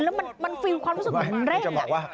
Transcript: แล้วเหมือนผิวความรู้สึกลงแรก